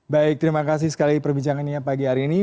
baik terima kasih sekali perbincangannya pagi hari ini